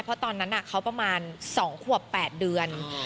เพราะตอนนั้นเขาประมาณ๒ขวบ๘เดือน